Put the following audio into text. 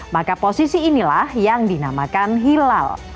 maka posisi inilah yang dinamakan hilal